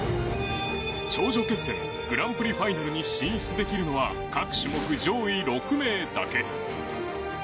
頂上決戦グランプリファイナルに進出できるのは各種目上位６名だけ。